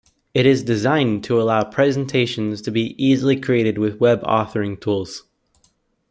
It is designed to allow presentations to be easily created with web authoring tools.